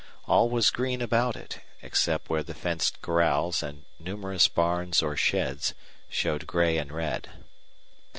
All was green about it, except where the fenced corrals and numerous barns or sheds showed gray and red.